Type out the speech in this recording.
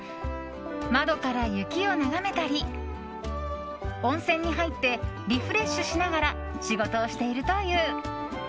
窓から雪を眺めたり温泉に入ってリフレッシュしながら仕事をしているという。